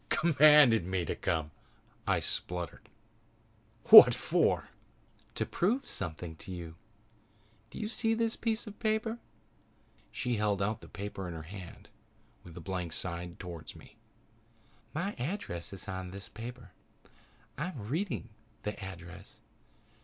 "Commanded me to come!" I spluttered. "What for?" "To prove something to you. Do you see this piece of paper?" She held out the paper in her hand with the blank side toward me. "My address is on this paper. I am reading the address.